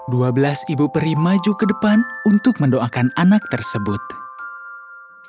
dua belas ibu peri maju ke depan untuk mendoakan anak tersebut